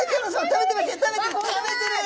食べてる食べてる。